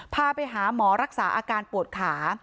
พาไปหาหมอรักษาอาการปวดขา